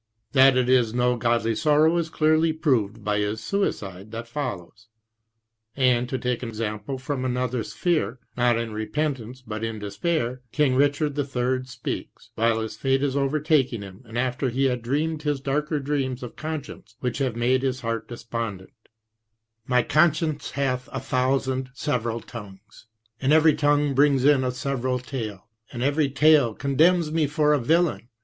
That it is no godly' sorrow is clearly proved by his suicide that follows. And, to take an example from another sphere, not in repent ance, but in despair, King Eichard in. speaks, while his fate is overtaking him, and after he had dreamed his darker dreams of conscience, which have made his heart despondent :" My conscience hath a thousand several tongues, And every tongue brings in a several tale, And every tale condemns me for a villain.